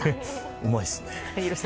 うまいですね。